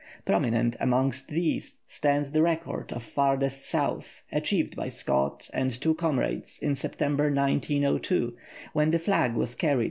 Prominent amongst these stands the record of "farthest South," achieved by Scott and two comrades, in September 1902, when the flag was carried to 82° 17' S.